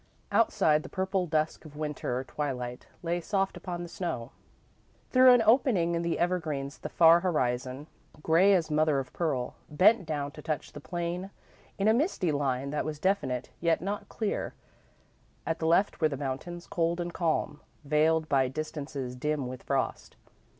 Outside, the purple dusk of Winter twilight lay soft upon the snow. Through an opening in the evergreens the far horizon, grey as mother of pearl, bent down to touch the plain in a misty line that was definite yet not clear. At the left were the mountains, cold and calm, veiled by distances dim with frost.